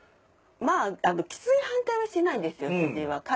まあきつい反対はしてないんですよ主人は。